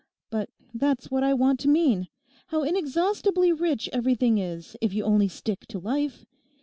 But that's what I want to mean. How inexhaustibly rich everything is, if you only stick to life.